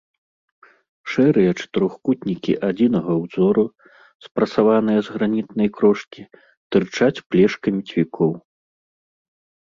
Шэрыя чатырохкутнікі адзінага ўзору, спрасаваныя з гранітнай крошкі, тырчаць плешкамі цвікоў.